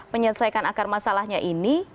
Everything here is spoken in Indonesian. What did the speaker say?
menyelesaikan akar masalahnya ini